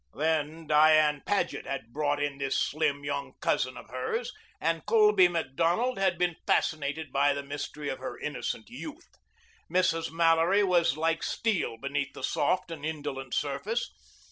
Then Diane Paget had brought in this slim, young cousin of hers and Colby Macdonald had been fascinated by the mystery of her innocent youth. Mrs. Mallory was like steel beneath the soft and indolent surface.